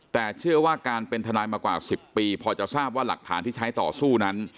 แต่เชื่อว่าการเป็นทนายมากว่า๑๐ปีพอจะทราบว่าหลักฐานที่ใช้ต่อสู้นั้น